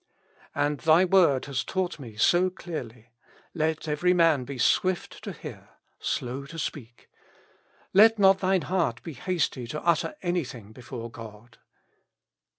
And Thy word has taught me so clearly : Let every man be swift to hear, slow to speak ; let not thine heart be hasty to utter anything before God.